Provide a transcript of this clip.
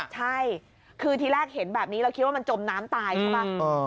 ใช่คือทีแรกเห็นแบบนี้เราคิดว่ามันจมน้ำตายใช่ป่ะ